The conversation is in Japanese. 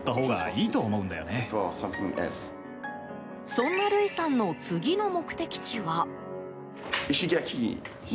そんなルイさんの次の目的地は。